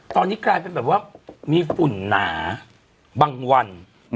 ตอนนี้กลายเป็นแบบว่ามีฝุ่นหนาบางวัน